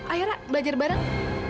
ayo lah belajar bareng